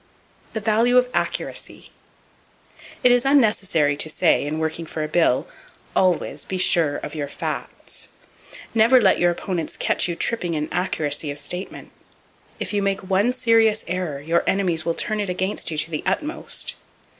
The Value Of Accuracy. —It is unnecessary to say, in working for a bill,—always be sure of your facts. Never let your opponents catch you tripping in accuracy of statement. If you make one serious error, your enemies will turn it against you to the utmost.